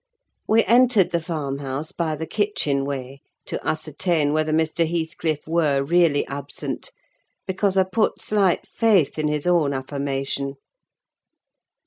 We entered the farm house by the kitchen way, to ascertain whether Mr. Heathcliff were really absent: because I put slight faith in his own affirmation.